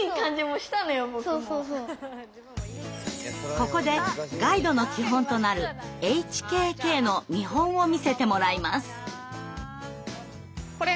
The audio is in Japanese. ここでガイドの基本となるＨＫＫの見本を見せてもらいます。